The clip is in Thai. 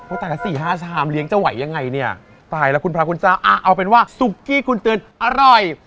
แต่ละสี่ห้าชามเลี้ยงจะไหวยังไงเนี่ยตายแล้วคุณพระคุณเจ้าเอาเป็นว่าซุกกี้คุณเตือนอร่อย